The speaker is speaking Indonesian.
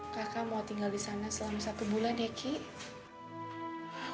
kakak mau tinggal di sana selama satu bulan ya ki